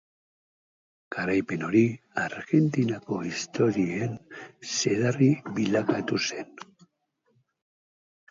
Garaipen hori Argentinako historiaren zedarri bilakatu zen.